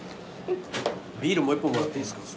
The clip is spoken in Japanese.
ビールもう１本もらっていいですか？